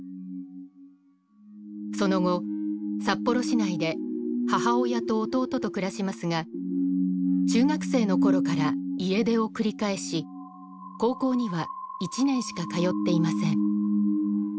その後札幌市内で母親と弟と暮らしますが中学生の頃から家出を繰り返し高校には１年しか通っていません。